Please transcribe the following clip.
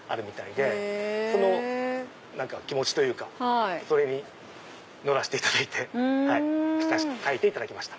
その気持ちというかそれに乗らせていただいて描いていただきました。